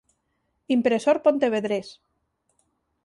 Impresor pontevedrés.